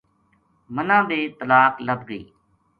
مَنا بے طلاق لَبھ گئی